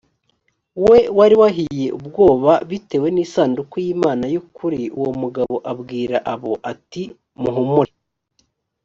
we wari wahiye ubwoba bitewe n isanduku y imana y ukuri uwo mugabo abwira abo ati muhumure